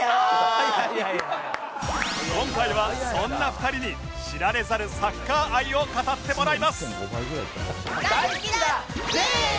今回はそんな２人に知られざるサッカー愛を語ってもらいます